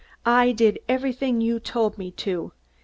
I did everything you told me to.